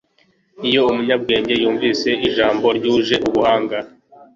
iyo umunyabwenge yumvise ijambo ryuje ubuhanga